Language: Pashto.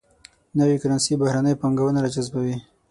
نوي کرنسي بهرنۍ پانګونه راجذبوي.